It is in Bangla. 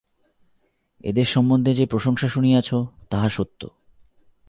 এদেশ সম্বন্ধে যে প্রশংসা শুনিয়াছ, তাহা সত্য।